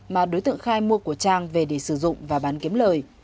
mà đối tượng khai mua của trang về để sử dụng và bán kiếm lời